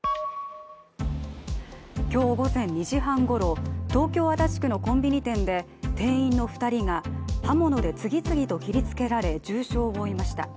今日午前２時半ごろ、東京・足立区のコンビニ店で、店員の２人が刃物で次々と切りつけられ重傷を負いました。